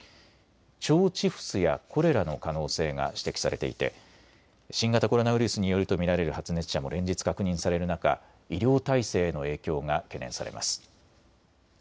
腸チフスやコレラの可能性が指摘されていて新型コロナウイルスによると見られる発熱者も連日確認される中、医療態勢への影響が懸念されます。